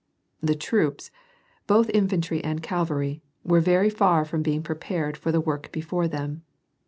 The troops, both infantry and cavalry, were very far from being prepared for the work before them.